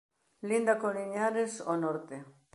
Linda con Liñares ao norte.